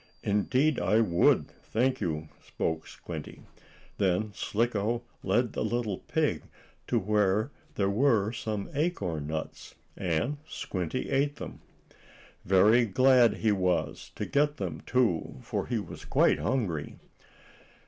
"Indeed I would, thank you," spoke Squinty. Then Slicko led the little pig to where there were some acorn nuts, and Squinty ate them. Very glad he was to get them, too, for he was quite hungry.